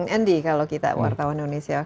andy kalau kita wartawan indonesia